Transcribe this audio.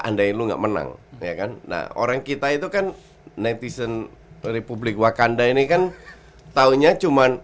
andai lu nggak menang ya kan nah orang kita itu kan netizen republik wakanda ini kan taunya cuma